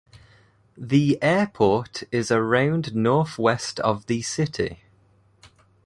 The airport is around northwest of the city.